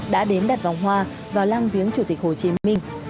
đã đến đặt vòng hoa vào lăng viếng chủ tịch hồ chí minh